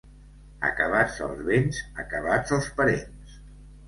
Acabats els béns, acabats els parents.